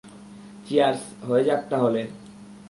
Cheers হয়ে যাক তাহলে!